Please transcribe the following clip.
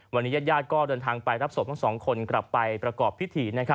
วันนี้ญาติก็เดินทางไปรับศพทั้งสองคนกลับไปประกอบพิธี